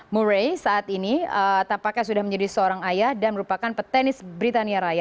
murray saat ini tapaknya sudah menjadi seorang ayah dan merupakan petanis britannia raya